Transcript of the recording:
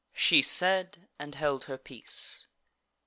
She said, and held her peace.